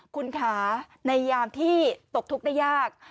คุณคะในยามที่ตกทุกข์ได้ยาก